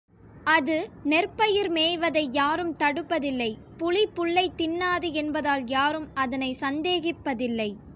அது நெற்பயிர் மேய்வதை யாரும் தடுப்பதில்லை புலி புல்லைத் தின்னாது என்பதால் யாரும் அதனைச் சந்தேகிப்பதில்லை.